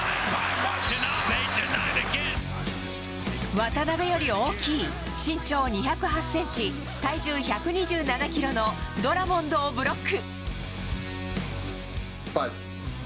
渡邊より大きい身長２０８ｃｍ体重１２７ｋｇのドラモンドをブロック。